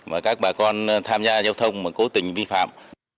và các bà con tham gia giao thông mà cố tình vi phạm